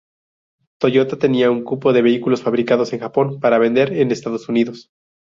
Toyota tenía un cupo de vehículos fabricados en Japón para vender en Estados Unidos.